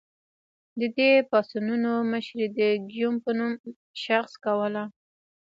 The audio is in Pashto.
د دې پاڅونونو مشري د ګیوم په نوم شخص کوله.